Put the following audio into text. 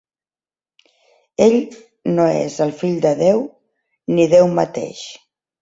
Ell no és el fill de Déu, ni Déu mateix.